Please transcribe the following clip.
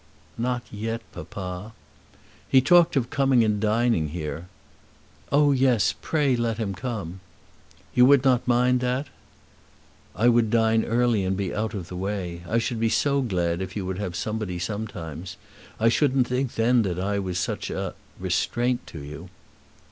"Not yet, papa." "He talked of coming and dining here." "Oh yes; pray let him come." "You would not mind that?" "I would dine early and be out of the way. I should be so glad if you would have somebody sometimes. I shouldn't think then that I was such a such a restraint to you."